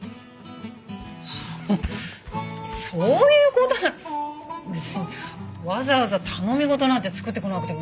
そういう事なら別にわざわざ頼み事なんて作ってこなくてもいいのに。